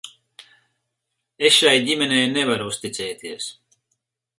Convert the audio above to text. Es šai ģimenei nevaru uzticēties.